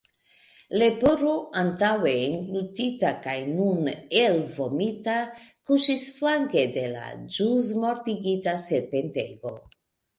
Leporo, antaŭe englutita kaj nun elvomita, kuŝis flanke de la ĵus mortigita serpentego.